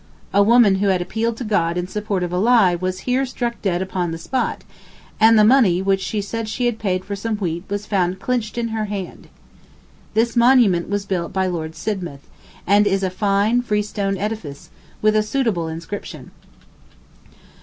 A woman who had appealed to God in support of a lie was here struck dead upon the spot, and the money which she said she had paid for some wheat was found clinched in her hand. This monument was built by Lord Sidmouth, and is a fine freestone edifice, with a suitable inscription.